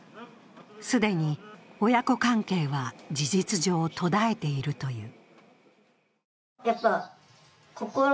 既に親子関係は事実上、途絶えているという。